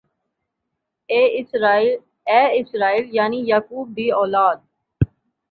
۔اَے Israel یعنی یعقوب دی اولاد!